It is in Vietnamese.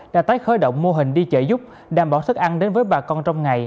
đã tái khởi động mô hình đi trợ giúp đảm bảo thức ăn đến với bà con trong ngày